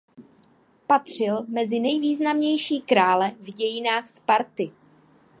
Patřil mezi nejvýznamnější krále v dějinách Sparty.